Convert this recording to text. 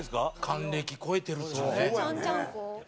還暦超えてるっちゅうね。